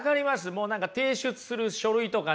もう何か提出する書類とかね。